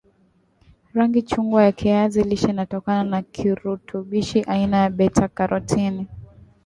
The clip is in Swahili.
rangi chungwa ya kiazi lishe inatokana na kirutubishi aina ya beta karotini